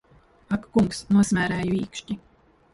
Ak kungs, nosmērēju īkšķi!